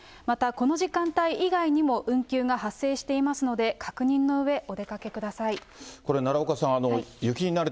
また、この時間帯以外にも運休が発生していますので、確認のうえ、